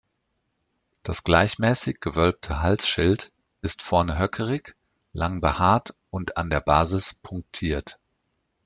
Das gleichmäßig gewölbte Halsschild ist vorne höckerig, lang behaart und an der Basis punktiert.